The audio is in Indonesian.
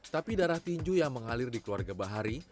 tapi darah tinju yang mengalir di keluarga bahari